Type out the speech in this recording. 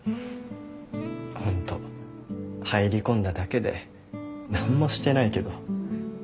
ホント入り込んだだけで何もしてないけど。